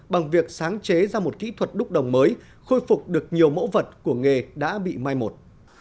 bằng việc sáng chế ra một kỹ thuật đúc đồng mới khôi phục được nhiều mẫu vật của nghề đã bị mai một